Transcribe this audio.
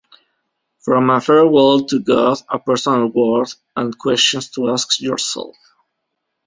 From A Farewell to God, A Personal Word, and Questions to Ask Yourself.